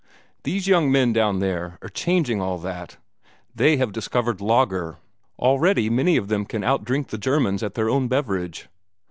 These young men down there are changing all that. They have discovered lager. Already many of them can outdrink the Germans at their own beverage.